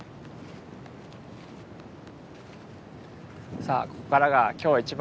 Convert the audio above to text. さあここからが今日一番の難所です。